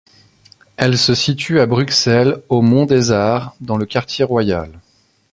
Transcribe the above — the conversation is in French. Elle se situe à Bruxelles, au Mont des Arts, dans le quartier royal.